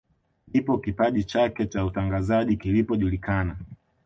Ndipo kipaji chake cha utangazaji kilipojulikana